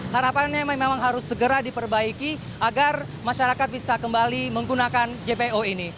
harapannya memang harus segera diperbaiki agar masyarakat bisa kembali menggunakan jpo ini